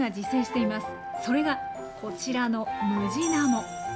それが、こちらのムジナモ。